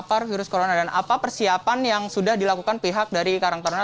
pemprov dki jakarta